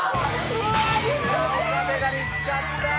岡部が見つかった。